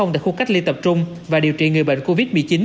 tại khu cách ly tập trung và điều trị người bệnh covid một mươi chín